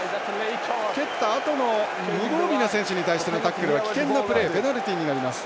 蹴ったあとの無防備な選手に対してのタックルは危険なプレーペナルティーになります。